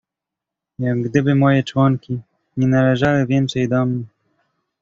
"Jak gdyby moje członki nie należały więcej do mnie."